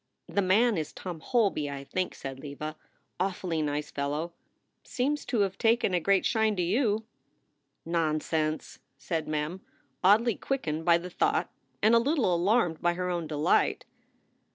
"The man is Tom Holby, I think," said Leva. "Awfully nice fellow. Seems to have taken a great shine to you." "Nonsense!" said Mem, oddly quickened by the thought and a little alarmed by her own delight.